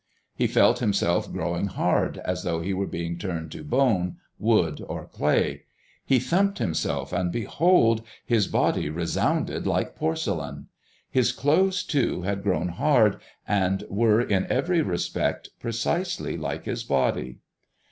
He felt himself growing hard, as though he were being turned to bone, wood, or clay. He thumped himself, and behold! his body resounded like porcelain. His clothes, too, had grown hard, and were in every respect precisely like his body.